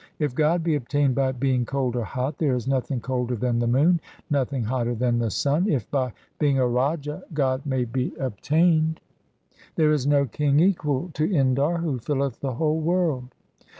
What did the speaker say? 1 // God be obtained by being cold or hot, there is nothing colder than the moon, nothing hotter than the sun, if by being a raja God may be obtained, there is no king equal to Indar who filleth the whole world.